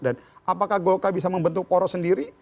dan apakah golkar bisa membentuk poros sendiri